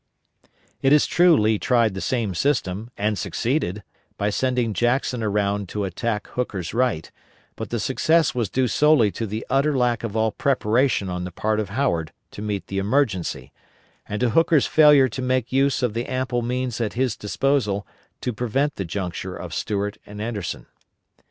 It is true Lee tried the same system, and succeeded, by sending Jackson around to attack Hooker's right, but the success was due solely to the utter lack of all preparations on the part of Howard to meet the emergency, and to Hooker's failure to make use of the ample means at his disposal to prevent the junction of Stuart and Anderson.